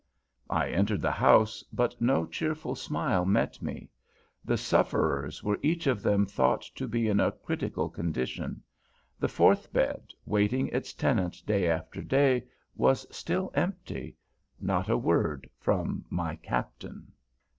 I entered the house, but no cheerful smile met me. The sufferers were each of them thought to be in a critical condition. The fourth bed, waiting its tenant day after day, was still empty. Not a word from my Captain.